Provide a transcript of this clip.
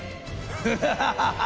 フハハハハ！